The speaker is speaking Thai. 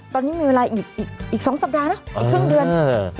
ตอนนี้มีเวลาอีก๒สัปดาห์นะอีกครึ่งเดือน